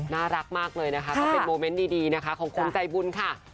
น่ารักมากเลยนะคะก็เป็นโมเมนต์ดีนะคะของคนใจบุญค่ะ